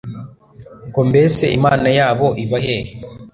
ngo Mbese Imana yabo iba hehe?